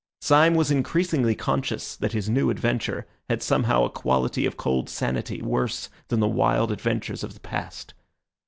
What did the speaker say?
Syme was increasingly conscious that his new adventure had somehow a quality of cold sanity worse than the wild adventures of the past.